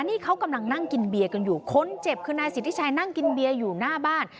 นี่เขากำลังนั่งกินเบียร์กันอยู่คนเจ็บคือนายสิทธิชัยนั่งกินเบียร์อยู่หน้าบ้าน